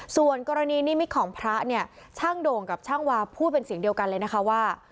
ส่วนกรณีนิมิตของพระเนี่ยช่างโด่งกับช่างวาพูดเป็นเสียงเดียวกันเลยนะคะว่า